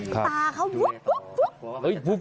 ตาเขาปุ๊บปุ๊บปุ๊บ